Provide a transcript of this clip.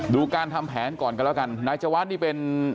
ดูการทำแผนก่อนกันแล้วกันนายจวัดนี่เป็น